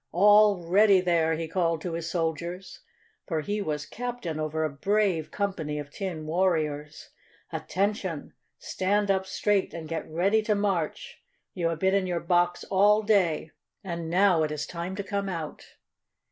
All ready there!" he called to his soldiers, for he was captain over a brave company of tin warriors. "Attention! Stand up straight and get ready to march! You have been in your box all day, and now it is time to come out!"